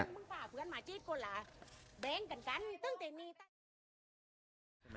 ต้องฝ่าเพื่อนหมาจี๊ดโกหลาแบงกันกันตึ้งเตี๋ยวมีสัตว์